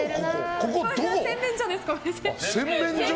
洗面所です。